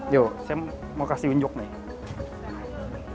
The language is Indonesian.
yuk saya mau kasih unjuk nih